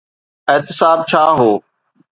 احتساب ڇا هو؟